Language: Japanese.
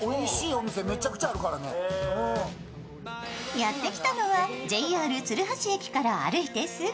やってきたのはＪＲ鶴橋駅から歩いてすぐ。